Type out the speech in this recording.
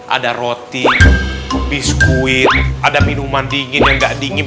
ada roti biskuit ada minuman dingin yang gak dingin